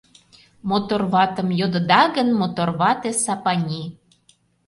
Мотор ватым йодыда гын, Мотор вате Сапани.